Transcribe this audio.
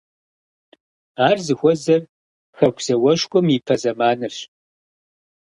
Ар зыхуэзэр Хэку зауэшхуэм ипэ зэманырщ.